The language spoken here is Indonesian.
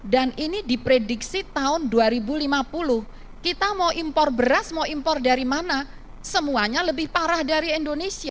dan ini diprediksi tahun dua ribu lima puluh kita mau impor beras mau impor dari mana semuanya lebih parah dari indonesia